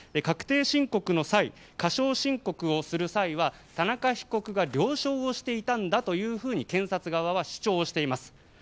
確定申告の際過少申告をする際には田中被告が了承をしていたんだというふうに検察側は主張しています。